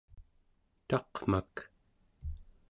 taqmak